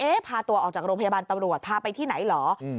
พาตัวออกจากโรงพยาบาลตำรวจพาไปที่ไหนเหรอ